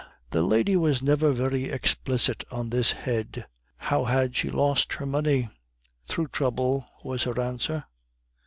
The lady was never very explicit on this head. How had she lost her money? "Through trouble," was her answer.